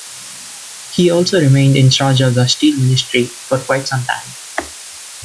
He also remained in charge of the Steel Ministry for quite some time.